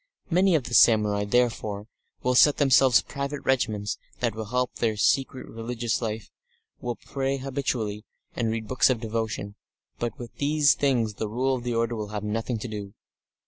Many of the samurai, therefore, will set themselves private regimens that will help their secret religious life, will pray habitually, and read books of devotion, but with these things the Rule of the order will have nothing to do.